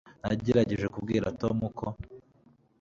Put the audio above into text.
nagerageje kubwira tom ko